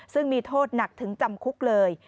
ซึ่งมีโทษหนักถึงจำคุกเลย